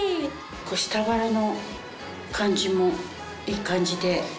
下腹の感じもいい感じで。